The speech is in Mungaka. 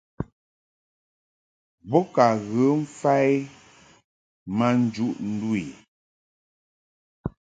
Bo ka ghə mfa i ma njuʼ ndu i.